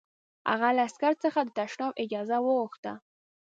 هغه له عسکر څخه د تشناب اجازه وغوښته